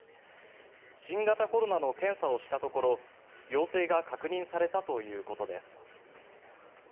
新型コロナの検査をしたところ陽性が確認されたということです。